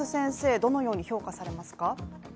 どのように評価されますか。